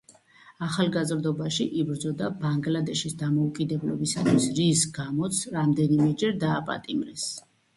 ახალგაზრდობაში იბრძოდა ბანგლადეშის დამოუკიდებლობისათვის, რის გამოც რამდენიმეჯერ დააპატიმრეს.